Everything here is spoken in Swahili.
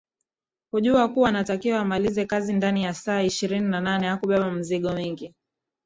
Kujua kuwa anatakiwa amalize kazi ndani ya saa ishirini na nne hakubeba mizigo mingi